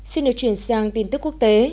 xin được truyền sang tin tức quốc tế